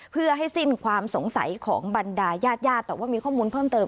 เพื่อให้สิ้นความสงสัยของบรรดายาดแต่ว่ามีข้อมูลเพิ่มเติม